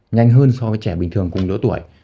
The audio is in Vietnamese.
nhanh hơn so với trẻ bình thường cùng lứa tuổi